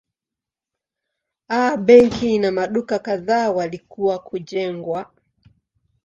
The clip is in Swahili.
A benki na maduka kadhaa walikuwa kujengwa.